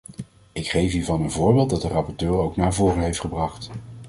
Ik geef hiervan een voorbeeld dat de rapporteur ook naar voren heeft gebracht.